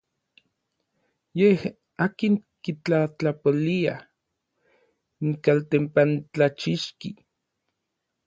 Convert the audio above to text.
Yej n akin kitlatlapolia n kaltempantlachixki.